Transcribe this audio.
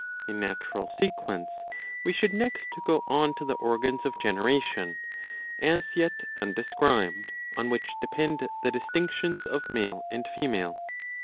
In natural sequence we should next go on to the organs of generation, as yet undescribed, on which depend the distinctions of male and female.